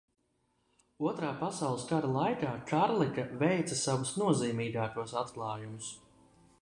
Otrā pasaules kara laikā Karlika veica savus nozīmīgākos atklājumus.